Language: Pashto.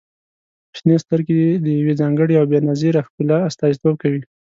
• شنې سترګې د يوې ځانګړې او بې نظیرې ښکلا استازیتوب کوي.